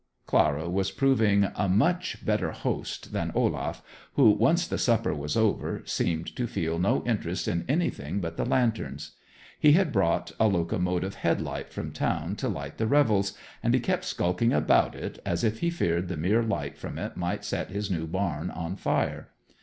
Clara was proving a much better host than Olaf, who, once the supper was over, seemed to feel no interest in anything but the lanterns. He had brought a locomotive headlight from town to light the revels, and he kept skulking about it as if he feared the mere light from it might set his new barn on fire.